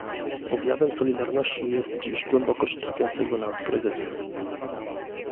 Objawem solidarności jest dziś głębokość trapiącego nas kryzysu